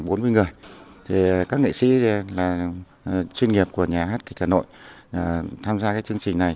giữa khoảng bốn mươi người các nghệ sĩ là chuyên nghiệp của nhà hát kịch hà nội tham gia cái chương trình này